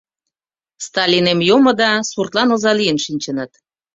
— Сталинем йомо да суртлан оза лийын шинчыныт.